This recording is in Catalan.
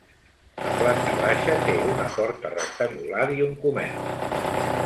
La planta baixa té una porta rectangular i un comerç.